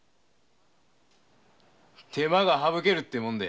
手間が省けるってもんで。